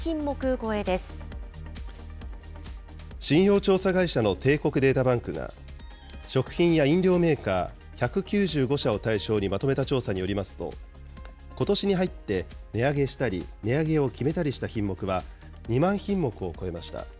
超信用調査会社の帝国データバンクが、食品や飲料メーカー１９５社を対象にまとめた調査によりますと、ことしに入って値上げしたり、値上げを決めたりした品目は、２万品目を超えました。